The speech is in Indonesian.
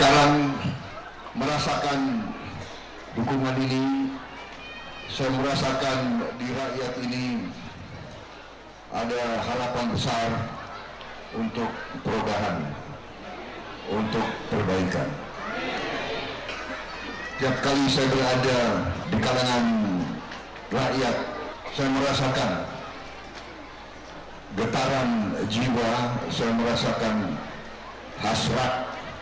dalam rakyat saya merasakan getaran jiwa saya merasakan hasrat